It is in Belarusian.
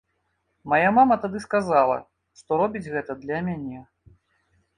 Мая мама тады сказала, што робіць гэта для мяне.